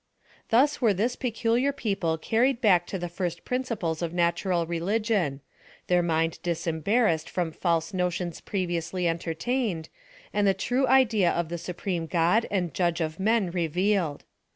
Thus were this peculiar people carried back to the first principles of natural religion—their mind dis PLAN OF SALVATION. 75 embarrassed from false notions previously enteriain edj and the true idea of the supreme God and Judge of men revealed.